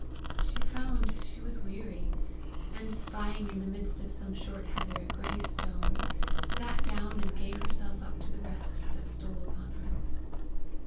She found she was weary, and spying in the midst of some short heather a great stone, sat down, and gave herself up to the rest that stole upon her.